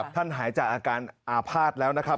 หายจากอาการอาภาษณ์แล้วนะครับ